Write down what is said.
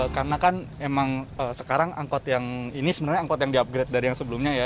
karena kan emang sekarang angkot yang ini sebenarnya angkot yang di upgrade dari yang sebelumnya ya